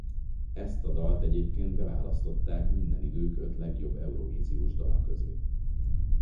Ezt a dalt egyébként beválasztották minden idők öt legjobb Eurovíziós dala közé.